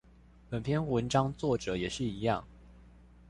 本篇文章作者也是一樣